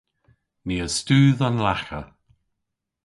Ni a studh an lagha.